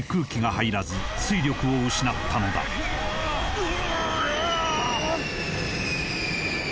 うわ！